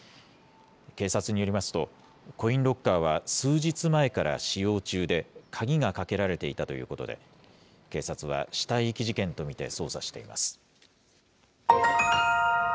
警察によりますと、コインロッカーは数日前から使用中で、鍵がかけられていたということで、警察は、死体遺棄事件と見て捜査しています。